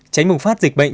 tránh bùng phát dịch bệnh